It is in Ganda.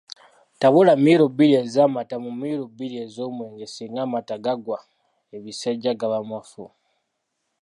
Tabula miiru bbiri ez’amata mu miiru bbiri ez’omwenge singa amata gagwa ebisejja gaba mafu